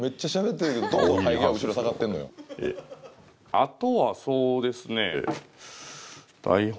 あとはそうですね。